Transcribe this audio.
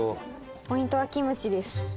ポイントはキムチです。